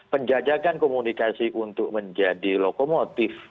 penjajakan komunikasi untuk menjadi lokomotif